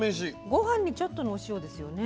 ごはんにちょっとのお塩ですよね。